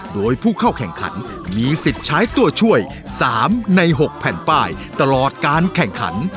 โดยผู้เข้าแข่งขันมีสิทธิ์ใช้ตัวช่วย๓ใน๖แผ่นป้ายตลอดการแข่งขัน